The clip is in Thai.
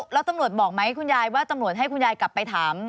แล้วตำรวจบอกไหมคุณยายว่าตำรวจให้คุณยายกลับไปถาม